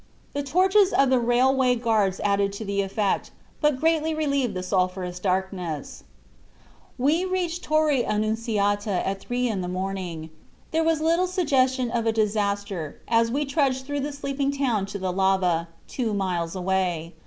The torches of the railway guards added to the effect, but greatly relieved the sulphurous darkness. "We reached Torre Annunziata at three in the morning. There was little suggestion of a disaster as we trudged through the sleeping town to the lava, two miles away.